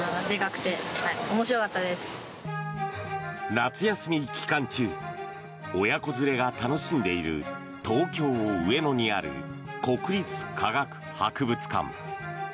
夏休み期間中親子連れが楽しんでいた東京・上野にある国立科学博物館。